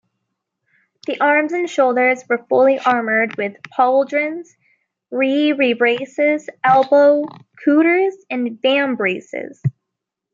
The arms and shoulders were fully armoured with pauldrons, rerebraces, elbow couters and vambraces.